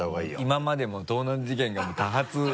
今までも盗難事件がね多発。